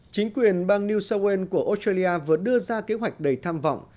chính quyền bang new south wales của australia vừa đưa ra kế hoạch đầy tham vọng